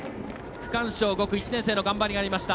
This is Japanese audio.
区間賞５区、１年生の頑張りがありました。